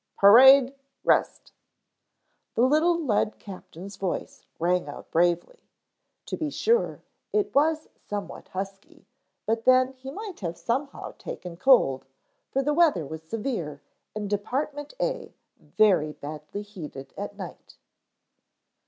Parade, Rest!" The little lead captain's voice rang out bravely. To be sure, it was somewhat husky, but then he might have somehow taken cold, for the weather was severe and Dept. A very badly heated at night.